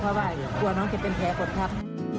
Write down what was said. เพราะว่ากลัวน้องจะเป็นแผลกดทับ